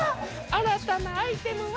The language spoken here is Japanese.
新たなアイテムは？